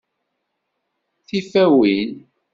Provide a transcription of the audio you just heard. Tifawin!